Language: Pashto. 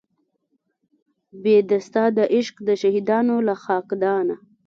بې د ستا د عشق د شهیدانو له خاکدانه